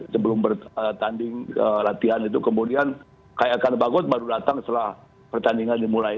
sebelum bertanding latihan itu kemudian kaya kan bagot baru datang setelah pertandingan dimulai